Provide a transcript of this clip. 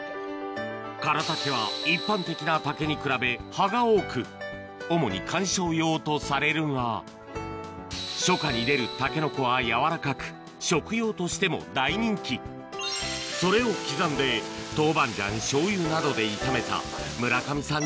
唐竹は一般的な竹に比べ葉が多く主に観賞用とされるが初夏に出るタケノコはやわらかく食用としても大人気それを刻んで豆板醤醤油などで炒めた村上さん